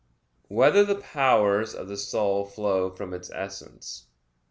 6] Whether the Powers of the Soul Flow from Its Essence?